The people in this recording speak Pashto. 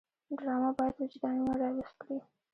ډرامه باید وجدانونه راویښ کړي